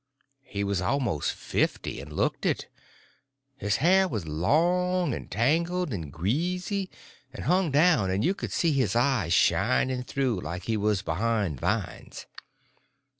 He was most fifty, and he looked it. His hair was long and tangled and greasy, and hung down, and you could see his eyes shining through like he was behind vines.